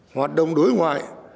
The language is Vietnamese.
hoạt động đối ngoại